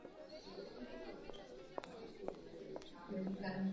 Řadí se do buněčného zemědělství.